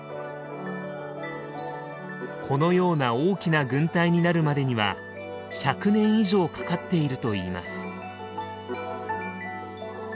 このような大きな群体になるまでには１００年以上かかっているといいます。